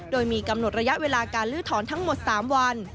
โดยมีกำหนดระยะเวลาการลื้อถอนทั้งหมด๓วัน